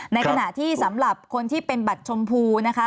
ในขณะที่สำหรับคนที่เป็นบัตรชมพูนะคะ